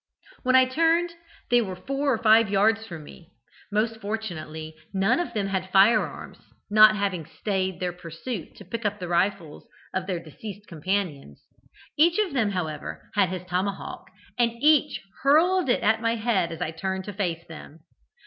"When I turned they were four or five yards from me most fortunately none of them had firearms, not having stayed their pursuit to pick up the rifles of their deceased companions each of them, however, had his tomahawk, and each hurled it at my head as I turned to face them.